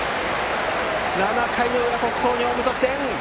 ７回の裏、鳥栖工業は無得点。